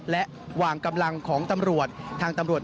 และวางกำลังของตำรวจทางตำรวจ